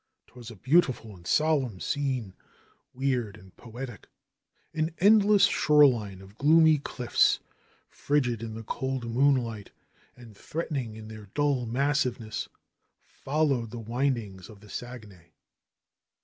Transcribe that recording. ^Twas a beautiful and solemn scene, weird and poetic ! An endless shoreline of gloomy cliffs, frigid in the cold moonlight and threaten ing in their dull massiveness, followed the windings of the Saguenay.